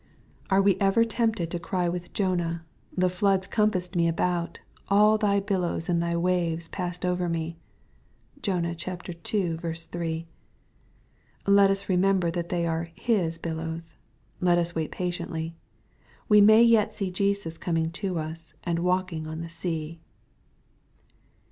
Are we ever tempted to cry. with Jonah, " the floods compassed me about : all thy billows and thy waves passed over me." (Jonah ii. 3.) Let us remember they are " His" billows. Let us wait 1 patiently. We may yet see Jesus coming to us, and ^" walking on the sea."